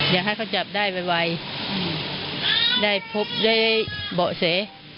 อยากให้เขาจับได้ไวได้พบได้เบาะแส